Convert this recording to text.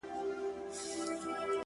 o او له سترگو يې څو سپيني مرغلري،